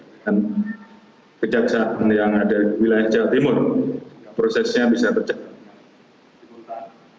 dan kejaksaan yang ada di wilayah jawa timur prosesnya bisa tercapai